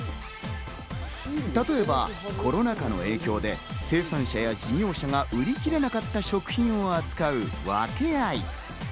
例えばコロナ禍の影響で生産者や事業者が売り切れなかった食品を扱うＷａｋｅＡｉ。